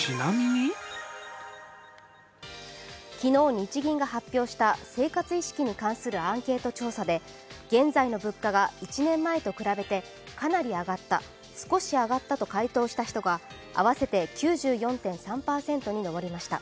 昨日、日銀が発表した生活意識に関するアンケート調査で現在の物価が１年前と比べてかなり上がった、少し上がったと回答した人が合わせて９４．３％に上りました。